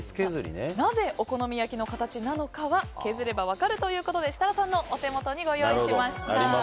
なぜ、お好み焼きの形なのかは削れば分かるということで設楽さんのお手元にご用意しました。